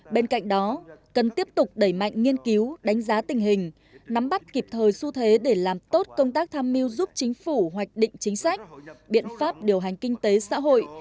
bên cạnh đó cần tiếp tục đẩy mạnh nghiên cứu đánh giá tình hình nắm bắt kịp thời xu thế để làm tốt công tác tham mưu giúp chính phủ hoạch định chính sách biện pháp điều hành kinh tế xã hội